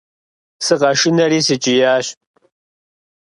Сыкъэшынэри, сыкӀиящ.